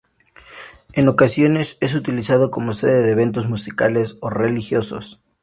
En ocasiones es utilizado como sede de eventos musicales o religiosos.